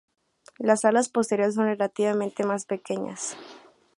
Las alas posteriores son relativamente más pequeñas.